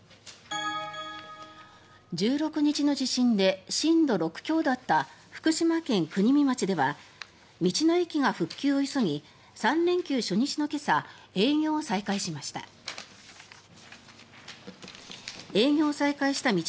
１６日の地震で震度６強だった福島県国見町では道の駅が復旧を急ぎ３連休初日の今朝営業を再開しました。